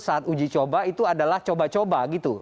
saat uji coba itu adalah coba coba gitu